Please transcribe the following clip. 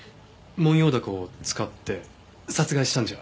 モンヨウダコを使って殺害したんじゃ。